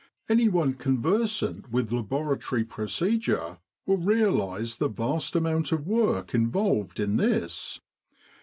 Anyone conversant with laboratory pro cedure will realise the vast amount of work involved in this.